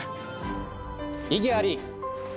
・異議あり！